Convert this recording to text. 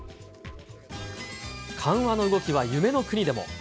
緩和の動きは夢の国でも。